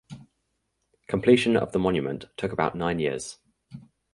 Completion of the monument took about nine years.